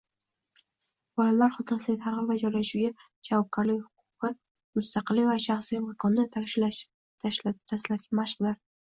Bolalar xonasidagi tartib va joylashuvga javobgarlik huquqi – mustaqillik va shaxsiy makonni tashkillashtirishning dastlabki mashqidir.